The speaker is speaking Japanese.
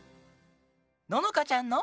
ののかちゃんの。